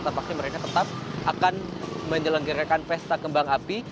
tampaknya mereka tetap akan menyelenggarakan pesta kembang api